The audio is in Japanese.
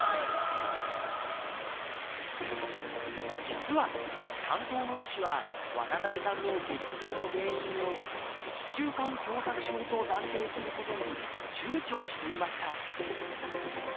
実は担当の医師は渡さんの激痛の原因を「脊柱管狭窄症」と断定することに躊躇していました